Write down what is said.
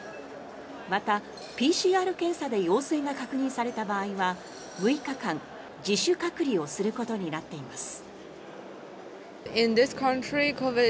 また、ＰＣＲ検査で陽性が確認された場合は６日間、自主隔離をすることになっています。